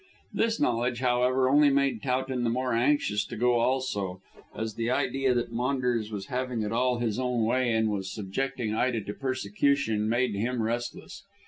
This knowledge, however, only made Towton the more anxious to go also, as the idea that Maunders was having it all his own way and was subjecting Ida to persecution made him restless.